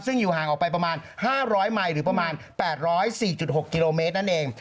ซึ่งอยู่ห่างออกไปประมาณ๕๐๐ไมค์หรือประมาณ๘๐๔๖กิโลเมตรนั่นเอง